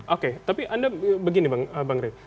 oke tapi anda begini bang rey